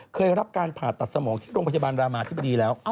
เคยรับการผ่าตัดสมองที่โรงพยาบาลรามาธิบดีแล้ว